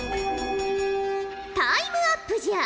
タイムアップじゃ！